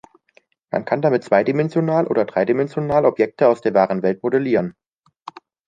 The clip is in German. Man kann damit zweidimensional oder dreidimensional Objekte aus der wahren Welt modellieren.